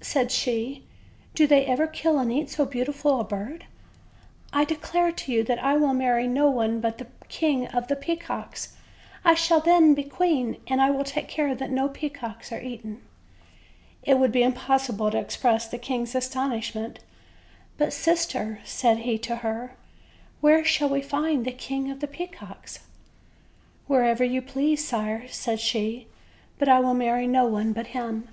said she, "do they ever kill and eat so beau tiful a bird? I declare to you that I will marry no one but the King of the Peacocks; I shall then be queen, and I will take care that no peacocks are eaten." It would be impossible to express the king's astonish ment. "But, sister/' said he to her, "where shall we find the King of the Peacocks?" "Wherever you please, sire," said she; "but I will marry no one but him."